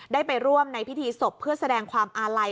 ได้ไปร่วมในพิธีศพเพื่อแสดงความอาลัย